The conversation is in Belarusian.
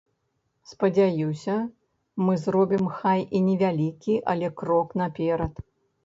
Спадзяюся, мы зробім, хай і невялікі, але крок наперад.